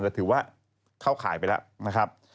แต่ถือว่าเข้าขายไปแล้ว